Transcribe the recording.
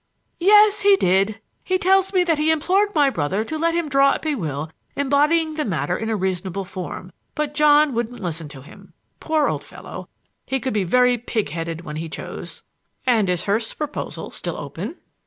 "Yes, he did. He tells me that he implored my brother to let him draw up a will embodying the matter in a reasonable form. But John wouldn't listen to him. Poor old fellow! he could be very pig headed when he chose." "And is Hurst's proposal still open?"